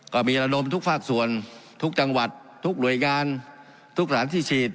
ก็มีระดมทุกภาคส่วนทุกจังหวัดทุกหน่วยงานทุกสถานที่ฉีด